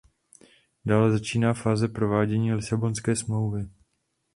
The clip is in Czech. Dále začíná fáze provádění Lisabonské smlouvy.